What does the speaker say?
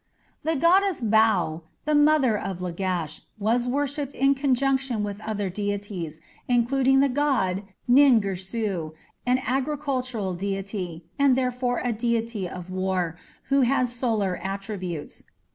The goddess Bau, "the mother of Lagash", was worshipped in conjunction with other deities, including the god Nin Girsu, an agricultural deity, and therefore a deity of war, who had solar attributes.